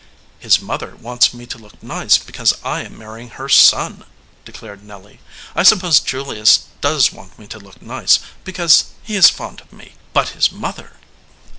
"His mother wants me to look nice because I am marrying her son," declared Nelly. "I suppose Julius does want me to look nice because he is fond of me but his mother!"